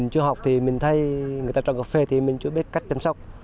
chưa học thì mình thấy người ta trồng cà phê thì mình chưa biết cách chăm sóc